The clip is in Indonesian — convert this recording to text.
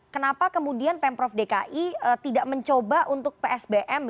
kenapa kemudian pemprov dki tidak mencoba untuk psbm